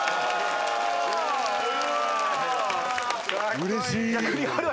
うれしい！